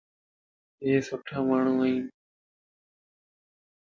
ايي سٺا ماڻھو ائين.